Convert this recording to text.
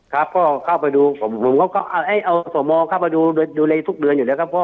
ครับพ่อเข้าไปดูเอาสวมมองเข้าไปดูเลยทุกเดือนอยู่แล้วครับพ่อ